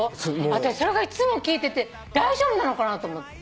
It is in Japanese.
あたしそれがいつも聞いてて大丈夫なのかなと思って。